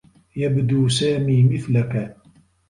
يبدو سامي مثلك.